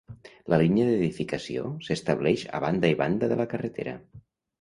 La línia d'edificació s'estableix a banda i banda de la carretera.